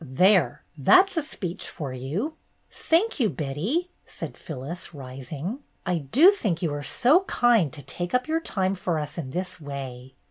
"There ! That 's a speech for you "Thank you, Betty," said Phyllis, rising. "I do think you are so kind to take up your time for us in this way."